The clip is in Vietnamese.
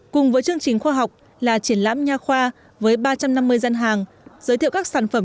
cùng với chương trình khoa học là triển lãm nhà khoa với ba trăm năm mươi gian hàng giới thiệu các sản phẩm